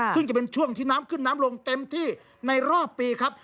ซึ่งจะเป็นช่วงที่น้ำขึ้นน้ำลงเต็มที่ในรอบปีครับ